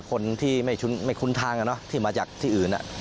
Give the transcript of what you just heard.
คนที่ไม่คุ้นทางอ่ะเนอะที่มาจากที่อื่นอ่ะ